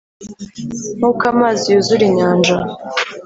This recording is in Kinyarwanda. nk’uko amazi yuzura inyanja!